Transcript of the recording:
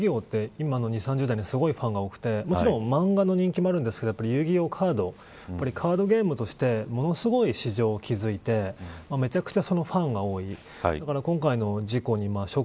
戯☆王って今の２０、３０代にすごいファンが多くてもちろん漫画の人気もあるんですけどカードゲームとしてものすごい市場を築いてめちゃくちゃファンが多い。